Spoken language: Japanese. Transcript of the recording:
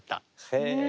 へえ。